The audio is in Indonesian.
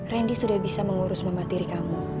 randy sudah bisa mengurus mama diri kamu